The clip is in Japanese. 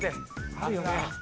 あるよな。